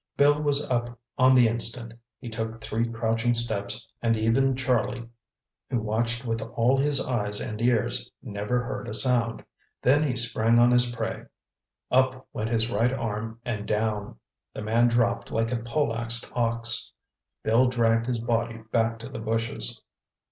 Bill was up on the instant. He took three crouching steps and even Charlie, who watched with all his eyes and ears, never heard a sound. Then he sprang on his prey. Up went his right arm and down. The man dropped like a poleaxed ox. Bill dragged his body back to the bushes.